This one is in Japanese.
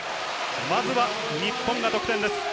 まずは日本が得点です。